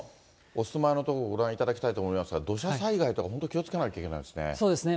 お住まいの所をご覧いただきたいと思いますが、土砂災害って本当に気をつけないといけないですね。